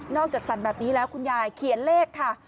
จากสั่นแบบนี้แล้วคุณยายเขียนเลขค่ะ